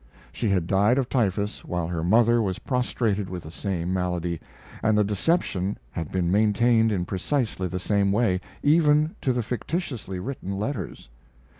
She had died of typhus while her mother was prostrated with the same malady, and the deception had been maintained in precisely the same way, even to the fictitiously written letters.